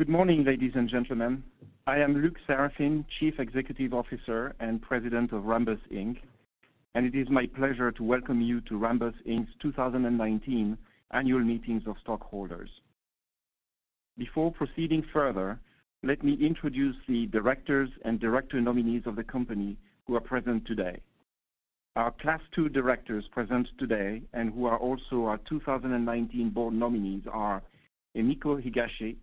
Good morning, ladies and gentlemen. I am Luc Seraphin, Chief Executive Officer and President of Rambus Inc. It is my pleasure to welcome you to Rambus Inc.'s 2019 annual meetings of stockholders. Before proceeding further, let me introduce the directors and director nominees of the company who are present today. Our Class 2 directors present today and who are also our 2019 board nominees are Emiko Higashi,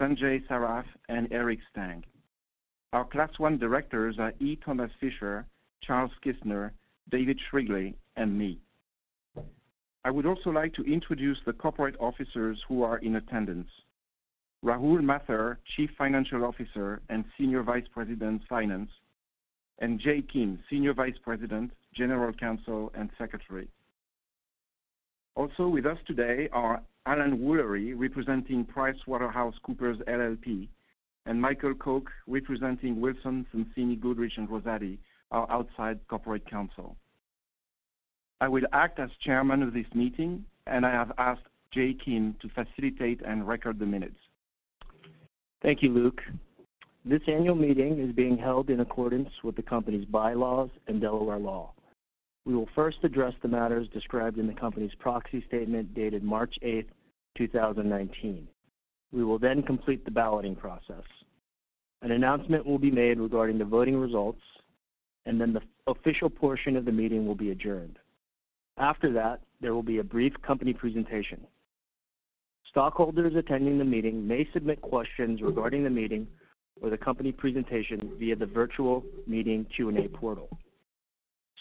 Sanjay Saraf, and Eric Stang. Our Class 1 directors are E. Thomas Fisher, Charles Kissner, David Shrigley, and me. I would also like to introduce the corporate officers who are in attendance. Rahul Mathur, Chief Financial Officer and Senior Vice President, Finance, and Jae Kim, Senior Vice President, General Counsel and Secretary. Also with us today are Alan Woolery, representing PricewaterhouseCoopers LLP, and Michael Koch, representing Wilson Sonsini Goodrich & Rosati, our outside corporate counsel. I will act as chairman of this meeting. I have asked Jay Kim to facilitate and record the minutes. Thank you, Luc. This annual meeting is being held in accordance with the company's bylaws and Delaware law. We will first address the matters described in the company's proxy statement dated March 8, 2019. We will then complete the balloting process. An announcement will be made regarding the voting results. The official portion of the meeting will be adjourned. After that, there will be a brief company presentation. Stockholders attending the meeting may submit questions regarding the meeting or the company presentation via the virtual meeting Q&A portal.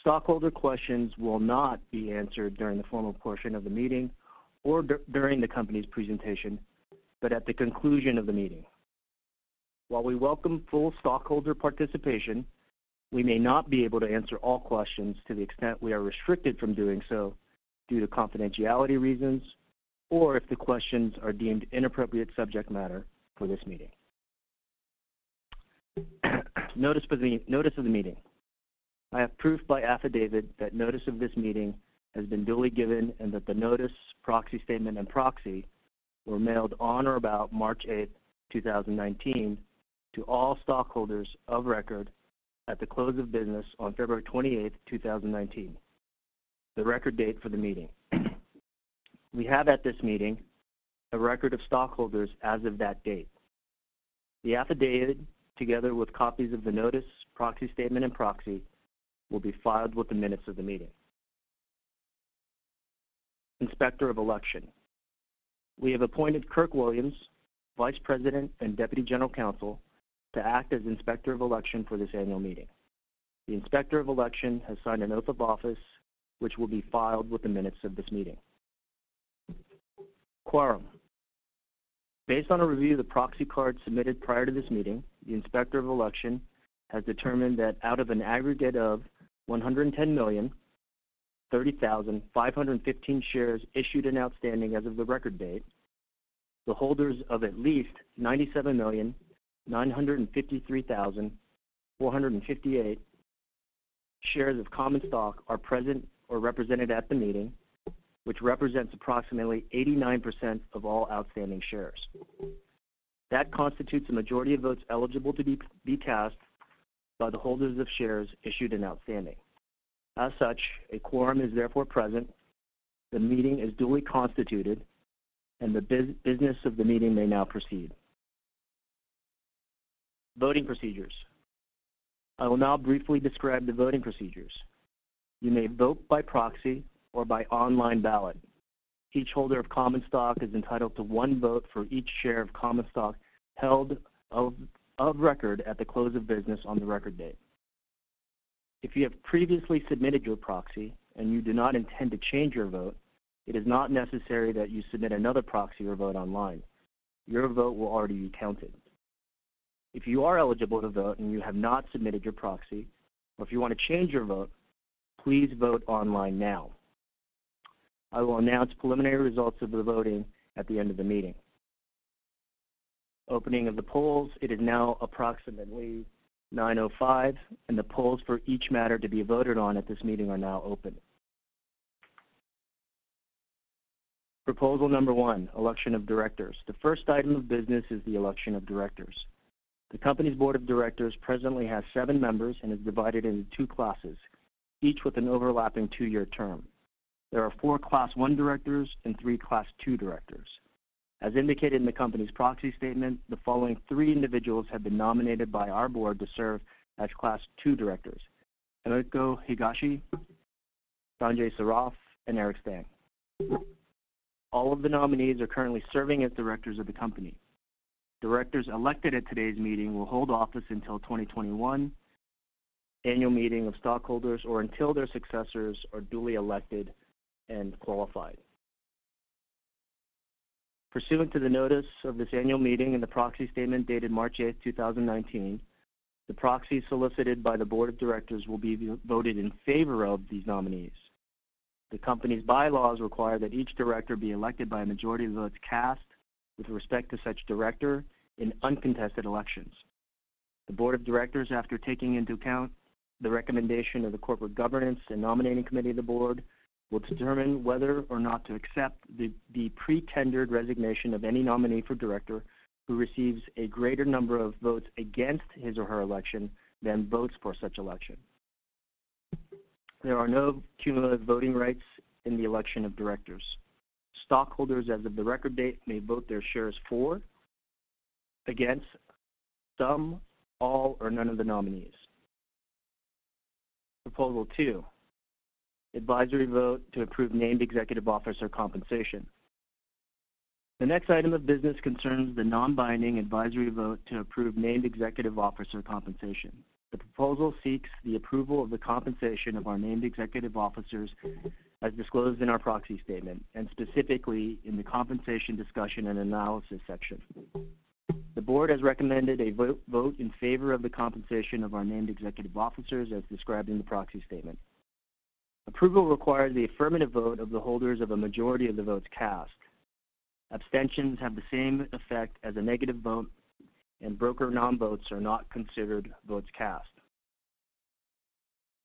Stockholder questions will not be answered during the formal portion of the meeting or during the company's presentation, but at the conclusion of the meeting. While we welcome full stockholder participation, we may not be able to answer all questions to the extent we are restricted from doing so due to confidentiality reasons, or if the questions are deemed inappropriate subject matter for this meeting. Notice of the meeting. I have proof by affidavit that notice of this meeting has been duly given and that the notice, proxy statement, and proxy were mailed on or about March 8, 2019, to all stockholders of record at the close of business on February 28, 2019, the record date for the meeting. We have at this meeting a record of stockholders as of that date. The affidavit, together with copies of the notice, proxy statement, and proxy, will be filed with the minutes of the meeting. Inspector of election. We have appointed Kirk Williams, Vice President and Deputy General Counsel, to act as Inspector of Election for this annual meeting. The Inspector of Election has signed a note of office, which will be filed with the minutes of this meeting. Quorum. Based on a review of the proxy cards submitted prior to this meeting, the Inspector of Election has determined that out of an aggregate of 110,030,515 shares issued and outstanding as of the record date, the holders of at least 97,953,458 shares of common stock are present or represented at the meeting, which represents approximately 89% of all outstanding shares. That constitutes a majority of votes eligible to be cast by the holders of shares issued and outstanding. A quorum is therefore present, the meeting is duly constituted, and the business of the meeting may now proceed. Voting procedures. I will now briefly describe the voting procedures. You may vote by proxy or by online ballot. Each holder of common stock is entitled to one vote for each share of common stock held of record at the close of business on the record date. If you have previously submitted your proxy and you do not intend to change your vote, it is not necessary that you submit another proxy or vote online. Your vote will already be counted. If you are eligible to vote and you have not submitted your proxy, or if you want to change your vote, please vote online now. I will announce preliminary results of the voting at the end of the meeting. Opening of the polls. It is now approximately 9:05 A.M., the polls for each matter to be voted on at this meeting are now open. Proposal number one, election of directors. The first item of business is the election of directors. The company's board of directors presently has seven members and is divided into two classes, each with an overlapping two-year term. There are four Class 1 directors and three Class 2 directors. As indicated in the company's proxy statement, the following three individuals have been nominated by our board to serve as Class 2 directors: Emiko Higashi, Sanjay Saraf, and Eric Stang. All of the nominees are currently serving as directors of the company. Directors elected at today's meeting will hold office until 2021 annual meeting of stockholders or until their successors are duly elected and qualified. Pursuant to the notice of this annual meeting and the proxy statement dated March 8th, 2019, the proxies solicited by the board of directors will be voted in favor of these nominees. The company's bylaws require that each director be elected by a majority of votes cast with respect to such director in uncontested elections. The board of directors, after taking into account the recommendation of the corporate governance and nominating committee of the board, will determine whether or not to accept the pre-tendered resignation of any nominee for director who receives a greater number of votes against his or her election than votes for such election. There are no cumulative voting rights in the election of directors. Stockholders as of the record date may vote their shares for, against, some, all, or none of the nominees. Proposal two, advisory vote to approve named executive officer compensation. The next item of business concerns the non-binding advisory vote to approve named executive officer compensation. The proposal seeks the approval of the compensation of our named executive officers as disclosed in our proxy statement, and specifically in the compensation discussion and analysis section. The board has recommended a vote in favor of the compensation of our named executive officers as described in the proxy statement. Approval requires the affirmative vote of the holders of a majority of the votes cast. Abstentions have the same effect as a negative vote, and broker non-votes are not considered votes cast.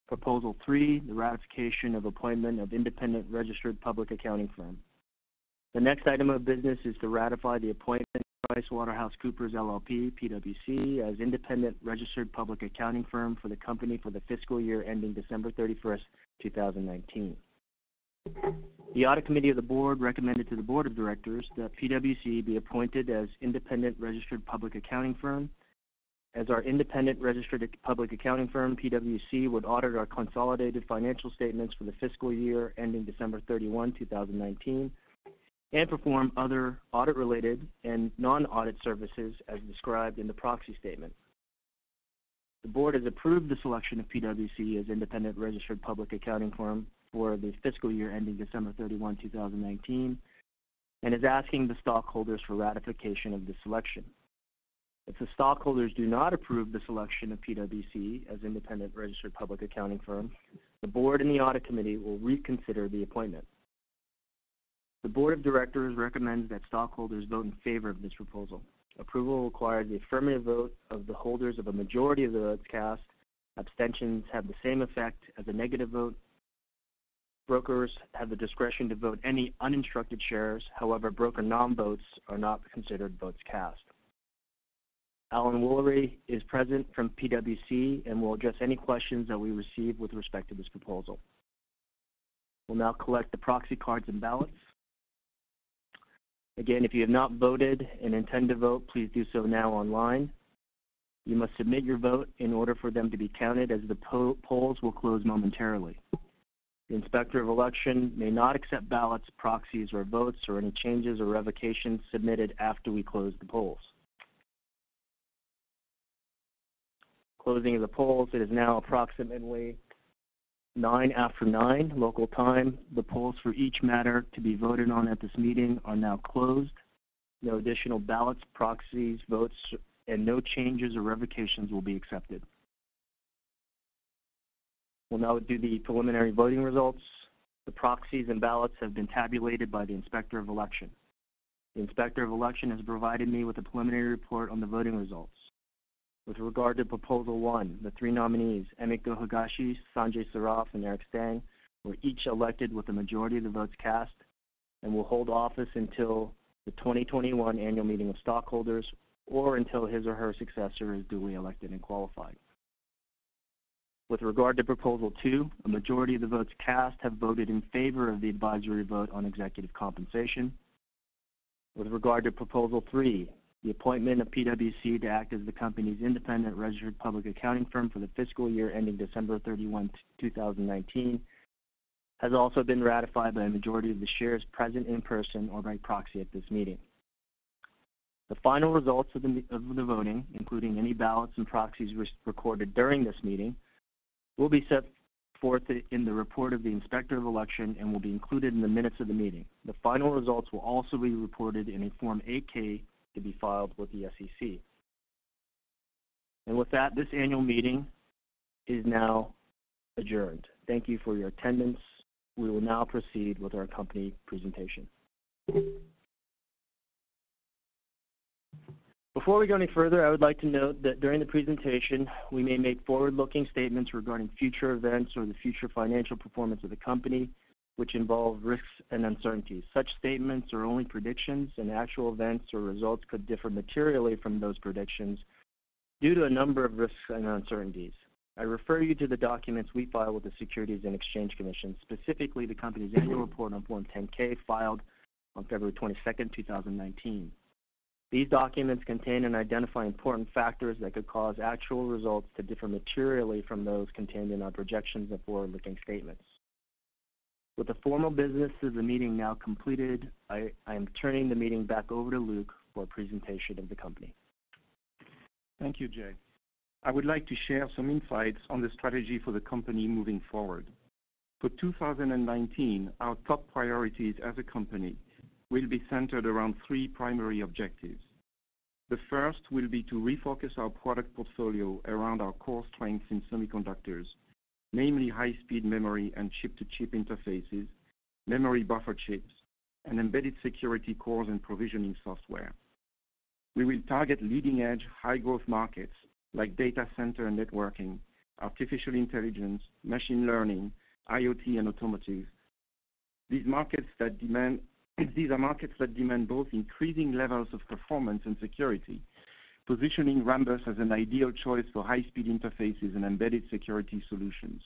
Proposal three, the ratification of appointment of independent registered public accounting firm. The next item of business is to ratify the appointment of PricewaterhouseCoopers LLP, PwC, as independent registered public accounting firm for the company for the fiscal year ending December 31st, 2019. The audit committee of the board recommended to the board of directors that PwC be appointed as independent registered public accounting firm. As our independent registered public accounting firm, PwC would audit our consolidated financial statements for the fiscal year ending December 31, 2019, and perform other audit-related and non-audit services as described in the proxy statement. The board has approved the selection of PwC as independent registered public accounting firm for the fiscal year ending December 31, 2019, and is asking the stockholders for ratification of this selection. If the stockholders do not approve the selection of PwC as independent registered public accounting firm, the board and the audit committee will reconsider the appointment. The board of directors recommends that stockholders vote in favor of this proposal. Approval requires the affirmative vote of the holders of a majority of the votes cast. Abstentions have the same effect as a negative vote. Brokers have the discretion to vote any uninstructed shares. However, broker non-votes are not considered votes cast. Alan Woolery is present from PwC and will address any questions that we receive with respect to this proposal. We'll now collect the proxy cards and ballots. Again, if you have not voted and intend to vote, please do so now online. You must submit your vote in order for them to be counted as the polls will close momentarily. The Inspector of Election may not accept ballots, proxies or votes, or any changes or revocations submitted after we close the polls. Closing of the polls. It is now approximately 9:09 A.M. local time. The polls for each matter to be voted on at this meeting are now closed. No additional ballots, proxies, votes, and no changes or revocations will be accepted. We'll now do the preliminary voting results. The proxies and ballots have been tabulated by the Inspector of Election. The Inspector of Election has provided me with a preliminary report on the voting results. With regard to proposal one, the three nominees, Emiko Higashi, Sanjay Saraf, and Eric Stang, were each elected with a majority of the votes cast and will hold office until the 2021 annual meeting of stockholders or until his or her successor is duly elected and qualified. With regard to proposal two, a majority of the votes cast have voted in favor of the advisory vote on executive compensation. With regard to proposal three, the appointment of PwC to act as the company's independent registered public accounting firm for the fiscal year ending December 31, 2019, has also been ratified by a majority of the shares present in person or by proxy at this meeting. The final results of the voting, including any ballots and proxies recorded during this meeting, will be set forth in the report of the Inspector of Election and will be included in the minutes of the meeting. The final results will also be reported in a Form 8-K to be filed with the SEC. With that, this annual meeting is now adjourned. Thank you for your attendance. We will now proceed with our company presentation. Before we go any further, I would like to note that during the presentation, we may make forward-looking statements regarding future events or the future financial performance of the company which involve risks and uncertainties. Such statements are only predictions, and actual events or results could differ materially from those predictions due to a number of risks and uncertainties. I refer you to the documents we file with the Securities and Exchange Commission, specifically the company's annual report on Form 10-K filed on February 22nd, 2019. These documents contain and identify important factors that could cause actual results to differ materially from those contained in our projections of forward-looking statements. With the formal business of the meeting now completed, I am turning the meeting back over to Luc for a presentation of the company. Thank you, Jae. I would like to share some insights on the strategy for the company moving forward. For 2019, our top priorities as a company will be centered around three primary objectives. The first will be to refocus our product portfolio around our core strengths in semiconductors, namely high-speed memory and chip-to-chip interfaces, Memory buffer chips, and embedded security cores and provisioning software. We will target leading-edge, high-growth markets like data center and networking, artificial intelligence, machine learning, IoT, and automotive. These are markets that demand both increasing levels of performance and security, positioning Rambus as an ideal choice for high-speed interfaces and embedded security solutions.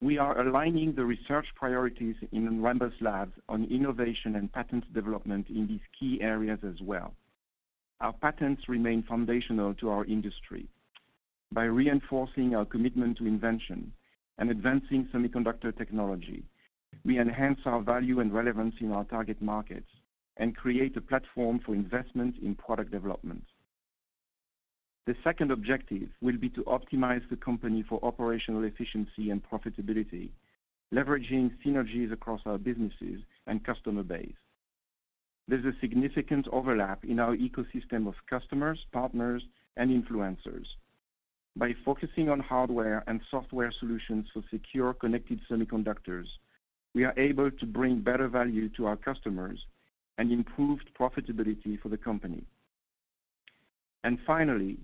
We are aligning the research priorities in Rambus Labs on innovation and patents development in these key areas as well. Our patents remain foundational to our industry. By reinforcing our commitment to invention and advancing semiconductor technology, we enhance our value and relevance in our target markets and create a platform for investment in product development. The second objective will be to optimize the company for operational efficiency and profitability, leveraging synergies across our businesses and customer base. There's a significant overlap in our ecosystem of customers, partners, and influencers. By focusing on hardware and software solutions for secure, connected semiconductors, we are able to bring better value to our customers and improved profitability for the company. Finally,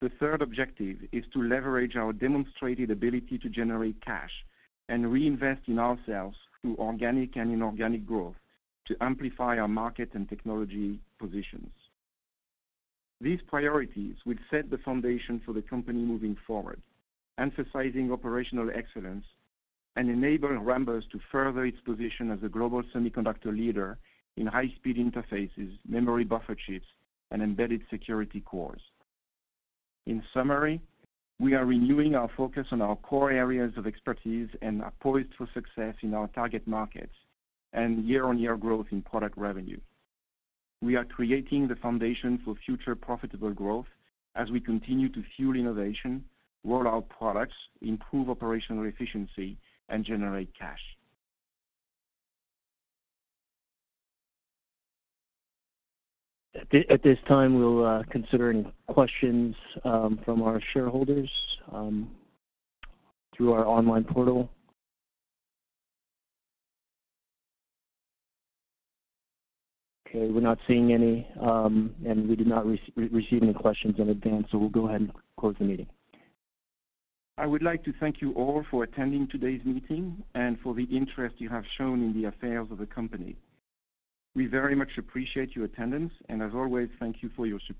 the third objective is to leverage our demonstrated ability to generate cash and reinvest in ourselves through organic and inorganic growth to amplify our market and technology positions. These priorities will set the foundation for the company moving forward, emphasizing operational excellence and enabling Rambus to further its position as a global semiconductor leader in high-speed interfaces, memory buffer chips, and embedded security cores. In summary, we are renewing our focus on our core areas of expertise and are poised for success in our target markets, and year-on-year growth in product revenue. We are creating the foundation for future profitable growth as we continue to fuel innovation, roll out products, improve operational efficiency, and generate cash. At this time, we'll consider any questions from our shareholders through our online portal. Okay, we're not seeing any, and we did not receive any questions in advance, we'll go ahead and close the meeting. I would like to thank you all for attending today's meeting and for the interest you have shown in the affairs of the company. We very much appreciate your attendance, and as always, thank you for your support.